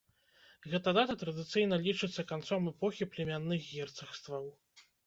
Гэта дата традыцыйна лічыцца канцом эпохі племянных герцагстваў.